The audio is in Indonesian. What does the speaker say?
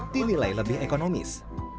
dinilai lebih ekonomis